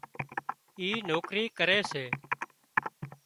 اي نوڪري ڪري سي